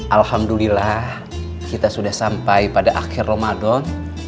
alhamdulillah kita sudah sampai pada akhir ramadan